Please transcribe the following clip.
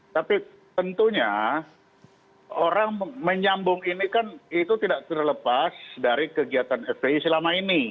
tapi tentunya orang menyambung ini kan itu tidak terlepas dari kegiatan fpi selama ini